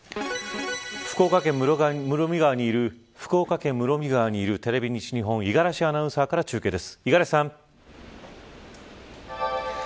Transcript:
福岡県、室見川にいるテレビ西日本五十嵐アナウンサーから中継です。